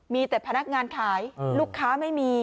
มีแต่พนักงานขายลูกค้าไม่มี